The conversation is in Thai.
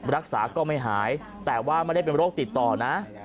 รักษาก็ไม่หายแต่ว่าไม่ได้เป็นโรคติดต่อนะ